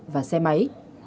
và xe máy